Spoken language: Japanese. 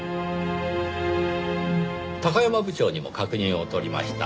山部長にも確認を取りました。